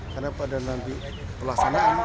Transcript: karena pada nanti pelaksanaan